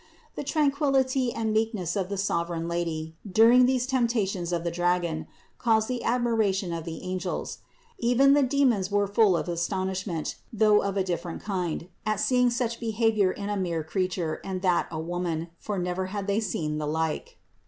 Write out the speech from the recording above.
The tranquillity and meekness of the sovereign Lady during these temptations of the dragon caused the admiration of the angels. Even the demons were full of astonish ment, (though of a different kind), at seeing such be havior in a mere creature and that a woman; for never had they seen the like.